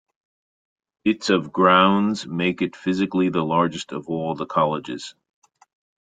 Its of grounds make it physically the largest of all the colleges.